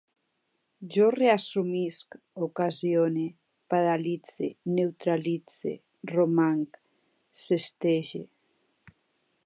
Jo reassumisc, ocasione, paralitze, naturalitze, romanc, sestege